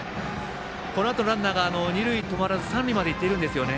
このあと、ランナーが二塁で止まらず三塁まで行っているんですよね。